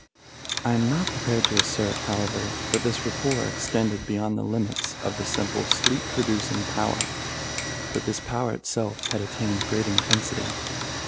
I am not prepared to assert, however, that this rapport extended beyond the limits of the simple sleep producing power, but this power itself had attained great intensity.